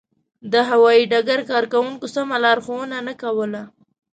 د هوایي ډګر کارکوونکو سمه لارښوونه نه کوله.